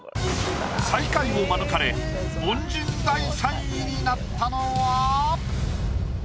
最下位を免れ凡人第３位になったのは？